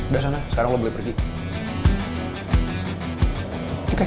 udah sana sekarang udah boleh pergi